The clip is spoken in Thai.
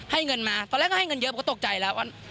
เงินมาตอนแรกก็ให้เงินเยอะผมก็ตกใจแล้ว